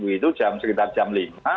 itu sekitar jam lima